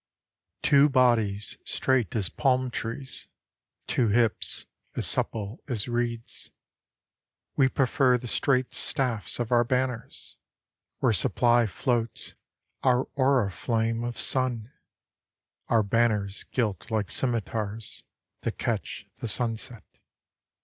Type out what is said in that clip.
To bodies straight as palm trees, To hips as supple as reeds, We prefer the straight staffs of our banners Where suppl'ly floats our oriflamme of Sun, Our banners gilt like cimitars That catch the sunset.